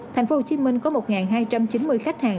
tp hcm có một hai trăm chín mươi khách hàng